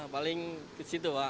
paling ke situ pak